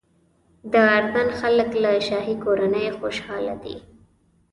د اردن خلک له شاهي کورنۍ خوشاله دي.